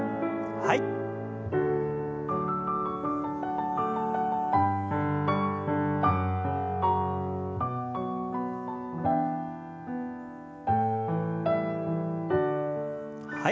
はい。